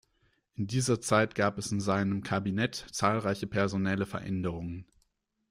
In dieser Zeit gab es in seinem Kabinett zahlreiche personelle Veränderungen.